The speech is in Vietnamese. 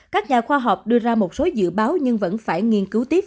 các nhà khoa học đưa ra một số dự báo nhưng vẫn phải nghiên cứu tiếp